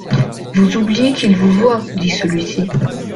Vous oubliez qu'ils vous voient, dit celui-ci.